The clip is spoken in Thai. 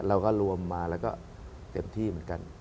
เราก็รวมมาแล้วก็เต็มที่เหมือนกัน